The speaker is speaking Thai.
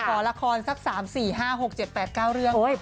ขอละครสัก๓๔๕๖๗๘๙เรื่อง